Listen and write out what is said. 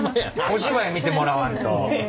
お芝居見てもらわんと。